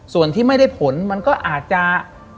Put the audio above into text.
ส่วนที่ไม่ได้ผลมันก็อาจจะ